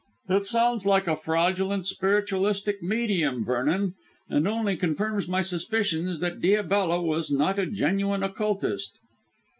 "It sounds like a fraudulent spiritualistic medium, Vernon, and only confirms my suspicions that Diabella was not a genuine occultist."